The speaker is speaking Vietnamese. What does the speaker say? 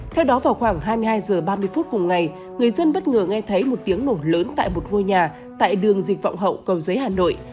theo đó vào khoảng hai mươi hai h ba mươi phút cùng ngày người dân bất ngờ nghe thấy một tiếng nổ lớn tại một ngôi nhà tại đường dịch vọng hậu cầu giấy hà nội